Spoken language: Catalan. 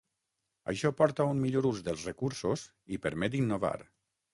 Això porta a un millor ús dels recursos i permet innovar.